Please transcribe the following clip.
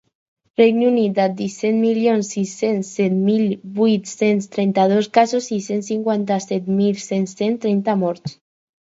Regne Unit, amb disset milions sis-cents set mil vuit-cents trenta-dos casos i cent cinquanta-set mil set-cents trenta morts.